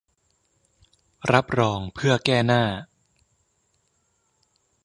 รับรองเพื่อแก้หน้า